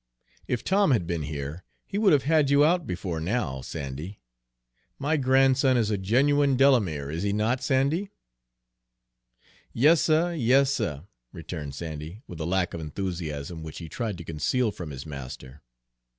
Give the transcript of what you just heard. If Tom had been here, he would have had you out before now, Sandy. My grandson is a genuine Delamere, is he not, Sandy?" "Yas, suh, yas, suh," returned Sandy, with a lack of enthusiasm which he tried to conceal from his master.